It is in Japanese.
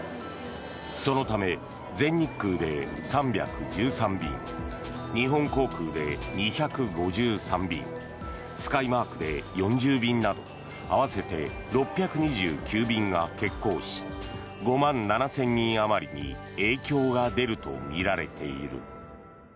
そのため、全日空で３１３便日本航空で２５３便スカイマークで４０便など合わせて６２９便が欠航し５万７０００人あまりに影響が出るとみられている。